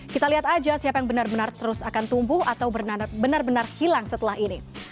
kita lihat aja siapa yang benar benar terus akan tumbuh atau benar benar hilang setelah ini